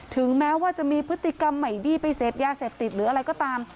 ถึงแม้ว่าจะมีพฤติกรรมใหม่บี้ไปเสพยาเสพติดหรืออะไรก็ตาม